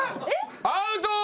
アウト！